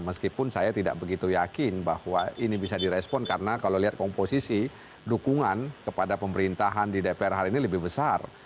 meskipun saya tidak begitu yakin bahwa ini bisa direspon karena kalau lihat komposisi dukungan kepada pemerintahan di dpr hari ini lebih besar